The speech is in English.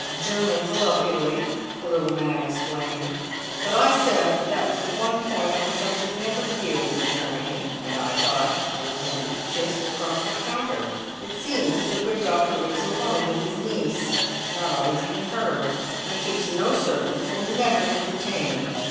Germans love Italy, the little man explained; but I said that was the one point on which I should never yield to Germany—and I thought I was going to be kissed across the counter! It seems the good doctor lives alone with his niece (not always even her), and keeps no servants and never entertains.